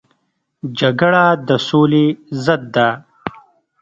جګړه د سولې ضد ده